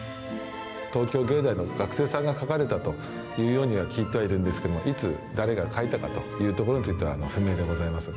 東京藝大の学生さんが描かれたというようには聞いてはいるんですが、いつ誰が描いたかというところについては、不明でございます。